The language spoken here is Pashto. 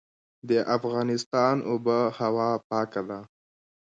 د افغانستان اوبه هوا پاکه ده